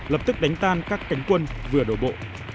lập tức đánh tan các cánh quân vừa đổ bộ